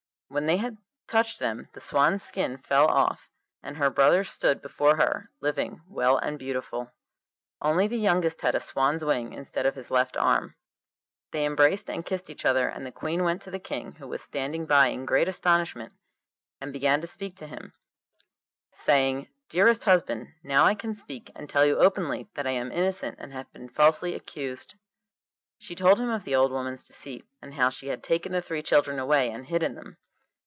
When they had touched them the swan skins fell off, and her brothers stood before her living, well and beautiful. Only the youngest had a swan's wing instead of his left arm. They embraced and kissed each other, and the Queen went to the King, who was standing by in great astonishment, and began to speak to him, saying, 'Dearest husband, now I can speak and tell you openly that I am innocent and have been falsely accused.' She told him of the old woman's deceit, and how she had taken the three children away and hidden them.